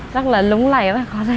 rất là lúng lầy quá khó đi